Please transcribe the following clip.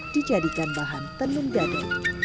dijadikan bahan tenur gato